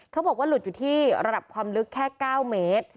เขาบอกว่าหลุดอยู่ที่ระดับความลึกแค่๙เมตร